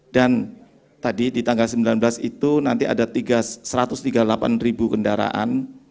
dan tadi di tanggal sembilan belas itu nanti ada satu ratus tiga puluh delapan ribu kendaraan